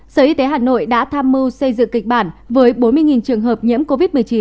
sở y tế hà nội đã tham mưu xây dựng kịch bản với bốn mươi trường hợp nhiễm covid một mươi chín